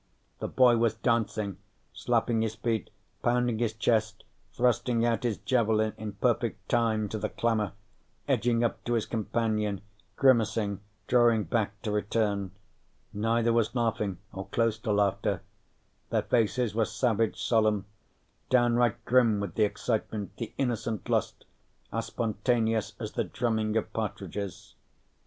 The boy was dancing, slapping his feet, pounding his chest, thrusting out his javelin in perfect time to the clamor, edging up to his companion, grimacing, drawing back to return. Neither was laughing or close to laughter. Their faces were savage solemn, downright grim with the excitement, the innocent lust, as spontaneous as the drumming of partridges.